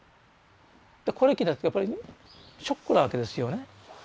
これ聞いたらやっぱりショックなわけですよね。